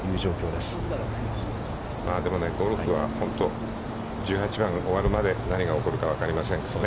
でもね、ゴルフは本当、１８番が終わるまで、何が起こるか分かりませんよね。